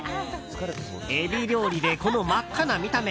エビ料理でこの真っ赤な見た目。